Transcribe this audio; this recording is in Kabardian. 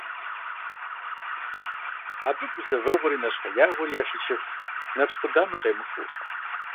Абы гузэвгъуэри нэщхъеягъуэри яшэчыф, нэпс къудамэ къемыхыу.